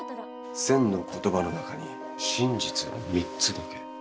千の言葉の中に真実は三つだけ。